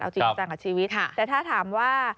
เอาจริงจังกับชีวิตแต่ถ้าถามว่า